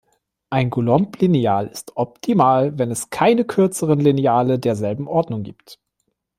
Ein Golomb-Lineal ist "optimal," wenn es keine kürzeren Lineale derselben Ordnung gibt.